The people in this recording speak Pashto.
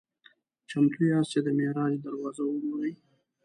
"چمتو یاست چې د معراج دروازه وګورئ؟"